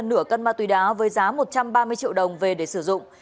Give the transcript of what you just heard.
nửa cân ma túy đá với giá một trăm ba mươi triệu đồng về để sử dụng